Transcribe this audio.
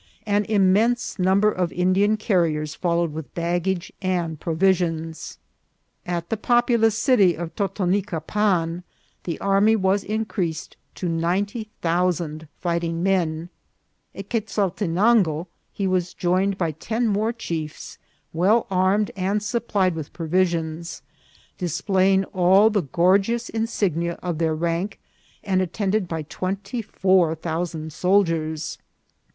An immense number of Indian carriers followed with baggage and provisions. At the populous city of Totonicapan the army was in creased to ninety thousand fighting men. At Quezal tenango he was joined by ten more chiefs, well armed and supplied with provisions, displaying all the gor geous insignia of their rank, and attended by twenty four thousand soldiers.